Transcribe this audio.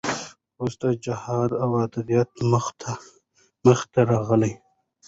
وروسته جهادي ادبیات مخې ته راغلل.